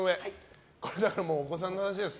お子さんの話です。